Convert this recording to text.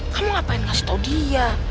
kamu ngapain ngasih tau dia